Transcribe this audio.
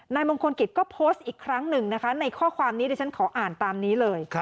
มงคลกิจก็โพสต์อีกครั้งหนึ่งนะคะในข้อความนี้ดิฉันขออ่านตามนี้เลย